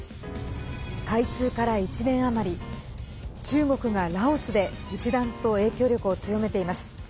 開通から１年余り中国が、ラオスで一段と影響力を強めています。